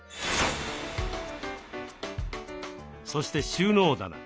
そして収納棚。